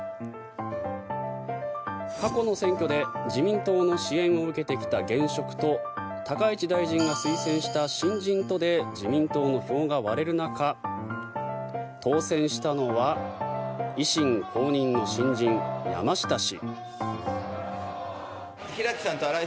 過去の選挙で自民党の支援を受けてきた現職と高市大臣が推薦した新人とで自民党の票が割れる中当選したのは維新公認の新人、山下氏。